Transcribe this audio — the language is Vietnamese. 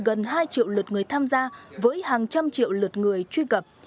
cơ quan công an đã thu hút gần hai triệu lượt người tham gia với hàng trăm triệu lượt người truy cập